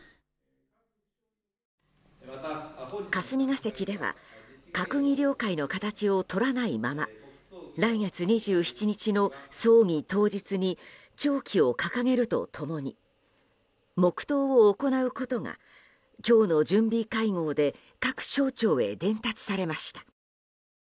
霞が関では閣議了解の形をとらないまま来月２７日にの葬儀当日に弔旗を掲げると共に黙祷を行うことが今日の準備会合で各省庁へ伝達されました。